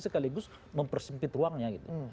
sekaligus mempersempit ruangnya gitu